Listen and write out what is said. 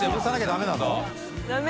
ダメ？